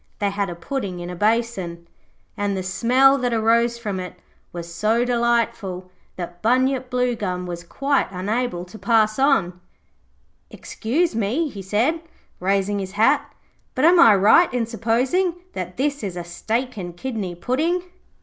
They had a pudding in a basin, and the smell that arose from it was so delightful that Bunyip Bluegum was quite unable to pass on. 'Excuse me,' he said, raising his hat, 'but am I right in supposing that this is a steak and kidney pudding?'